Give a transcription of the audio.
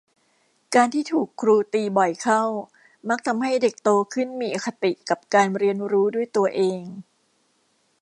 การที่ถูกครูตีบ่อยเข้ามักทำให้เด็กโตขึ้นมีอคติกับการเรียนรู้ด้วยตัวเอง